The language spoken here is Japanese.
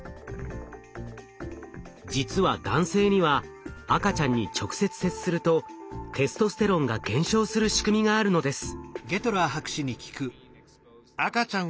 実は男性には赤ちゃんに直接接するとテストステロンが減少する仕組みがあるのです。